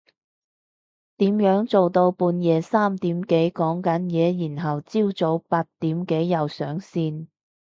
點樣做到半夜三點幾講緊嘢然後朝早八點幾又上線？